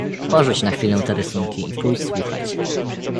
"porzuć na chwilę te rysunki i pójdź słuchać."